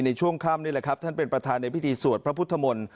ในช่วงค่ำนี่แหละครับท่านเป็นประธานในพิธีสวดพระพุทธมนตร์